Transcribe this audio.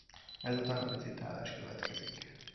Ezután a licitálás következik.